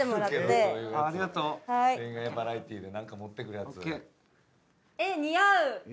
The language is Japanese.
恋愛バラエティーでなんか持ってくるやつ。